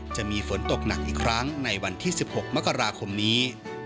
จะมีฝนตกหนักอีกครั้งในวันที่๑๖มกราคมนี้